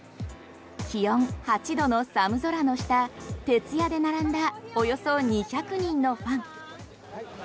気温８度の寒空の下徹夜で並んだおよそ２００人のファン。